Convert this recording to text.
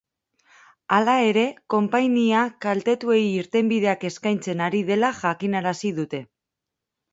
Hala ere, konpainia kaltetuei irtenbideak eskaintzen ari dela jakinarazi dute.